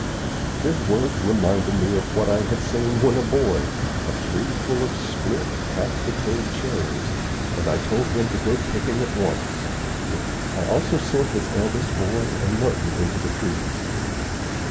His words reminded me of what I had seen when a boy a tree full of split, half decayed cherries and I told him to go to picking at once. I also sent his eldest boy and Merton into the trees.